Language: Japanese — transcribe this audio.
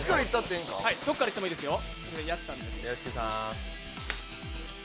どこからいってもいいですよ。